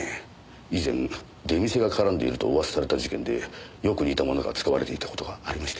以前出店が絡んでいると噂された事件でよく似たものが使われていた事がありまして。